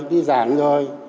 đi giảng rồi